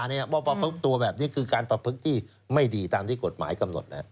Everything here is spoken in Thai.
เพราะประพฤกตัวแบบนี้คือการประพฤกษ์ที่ไม่ดีตามที่กฎหมายกำหนด